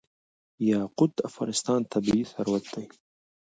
یاقوت د افغانستان طبعي ثروت دی.